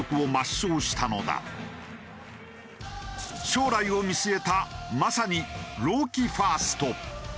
将来を見据えたまさに朗希ファースト。